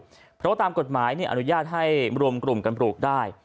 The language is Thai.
เพราะว่าตามกฎหมายอนุญาตให้รวมกลุ่มกันปลูกได้